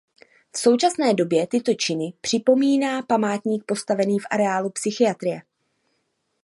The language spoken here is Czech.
V současné době tyto činy připomíná památník postavený v areálu psychiatrie.